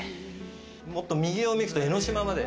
もっと右を見ると江の島まで。